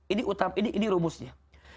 ini utama ini rumusnya